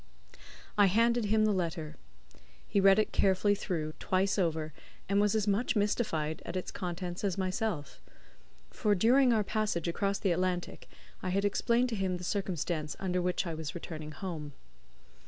I handed him the letter. He read it carefully through twice over, and was as much mystified at its contents as myself; for during our passage across the Atlantic I had explained to him the circumstance under which I was returning home.